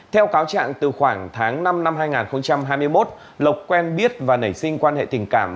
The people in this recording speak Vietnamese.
theo cáo trạng từ khoảng tháng năm năm hai nghìn hai mươi một lộc quen biết và nảy sinh quan hệ tình cảm